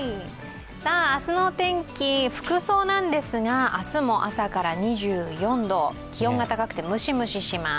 明日のお天気、服装なんですが明日も朝から２４度、気温が高くてムシムシします。